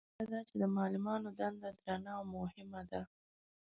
لنډه دا چې د معلمانو دنده درنه او مهمه ده.